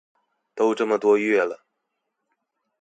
都這麼多個月了